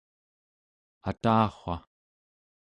atawa